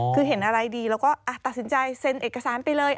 คือเห็นอะไรดีเราก็ตัดสินใจเซ็นเอกสารไปเลย